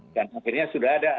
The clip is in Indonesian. dan akhirnya sudah ada